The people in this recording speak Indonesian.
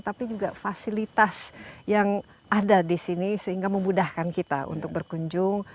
tapi juga fasilitas yang ada di sini sehingga memudahkan kita untuk berkunjung